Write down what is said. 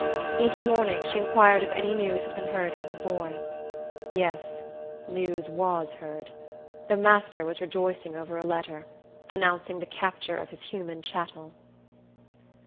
Each morning, she inquired if any news had been heard from her boy. Yes, news was heard. The master was rejoicing over a letter, announcing the capture of his human chattel.